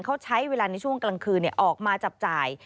เขาใช้เวลาในช่วงกลางคืนออกมาจับจ่าย